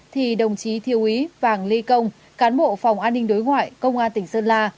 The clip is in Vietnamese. thì đồng chí thiêu úy vàng ly công cán bộ phòng an ninh đối ngoại công an tỉnh sơn la